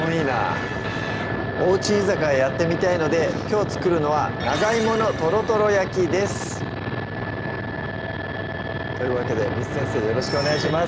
おうち居酒屋やってみたいのできょう作るのは「長芋のとろとろ焼き」ですというわけで簾先生よろしくお願いします